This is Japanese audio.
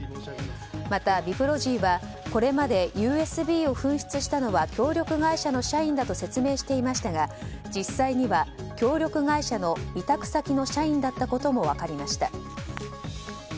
また、ＢＩＰＲＯＧＹはこれまでＵＳＢを紛失したのは協力会社の社員だと説明していましたが実際には、協力会社の委託先の社員だったことも分かりました。